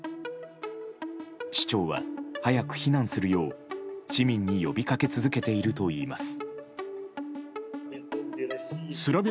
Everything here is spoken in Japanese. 市長は、早く避難するよう市民に呼びかけ続けているといいます。